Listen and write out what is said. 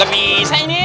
lebih bisa ini